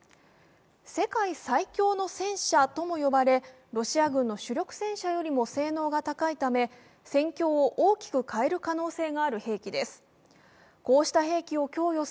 世界最強の戦車とも呼ばれロシア軍の主力戦車よりも性能が高いため、戦況を大きく変える可能性がある兵器です。